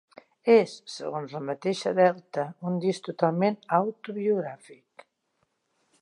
És, segons la mateixa Delta, un disc totalment autobiogràfic.